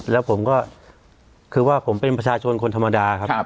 แล้วผมก็คือว่าผมเป็นประชาชนคนธรรมดาครับ